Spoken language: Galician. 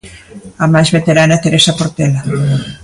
A máis veterana, Teresa Portela.